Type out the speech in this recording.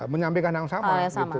menyampaikan yang sama